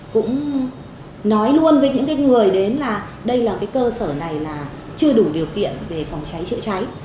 cũng nói luôn với những người đến là đây là cái cơ sở này là chưa đủ điều kiện về phòng cháy chữa cháy